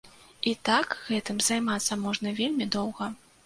І так гэтым займацца можна вельмі доўга.